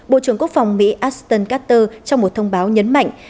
bộ trưởng quốc phòng mỹ aston katter trong một thông báo nhấn mạnh